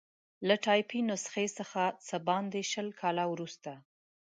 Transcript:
له ټایپي نسخې څخه څه باندې شل کاله وروسته.